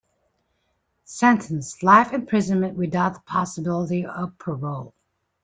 Sentence: Life imprisonment without the possibility of parole.